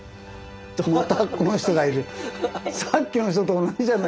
またこの人がいる。